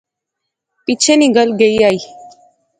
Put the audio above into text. پچھے نی گل گئی آئی